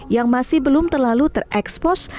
yang masih belum terlalu terekspos